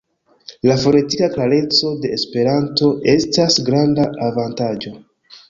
La fonetika klareco de Esperanto estas granda avantaĝo.